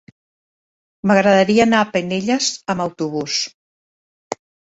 M'agradaria anar a Penelles amb autobús.